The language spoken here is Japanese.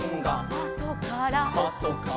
「あとから」